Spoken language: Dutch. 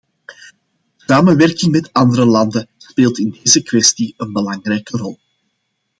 Samenwerking met andere landen speelt in deze kwestie een belangrijke rol.